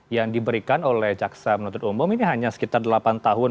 yang diberikan oleh jaksa penuntut umum ini hanya sekitar delapan tahun